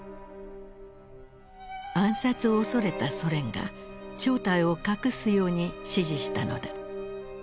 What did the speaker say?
暗殺を恐れたソ連が正体を隠すように指示したのだ。